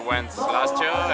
dan juga satu kali